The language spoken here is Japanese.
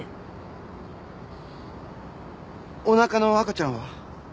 おなかの赤ちゃんは？